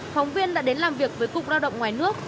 phóng viên đã đến làm việc với cục lao động ngoài nước